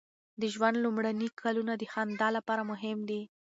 د ژوند لومړني کلونه د خندا لپاره مهم دي.